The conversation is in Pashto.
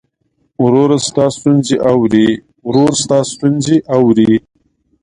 ورور ستا ستونزې اوري.